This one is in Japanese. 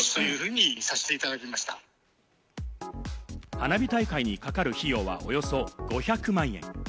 花火大会にかかる費用はおよそ５００万円。